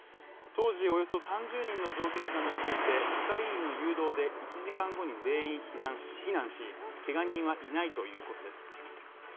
当時およそ３０人の乗客が乗っていて、係員の誘導で１時間後に全員避難し、けが人はいないということです。